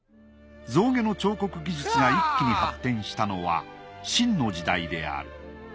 象牙の彫刻技術が一気に発展したのは清の時代である。